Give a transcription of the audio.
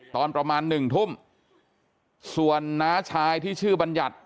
ตอนประมาณหนึ่งทุ่มส่วนน้าชายที่ชื่อบัญญัติ